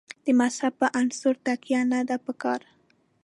د مذهب پر عنصر تکیه نه ده په کار.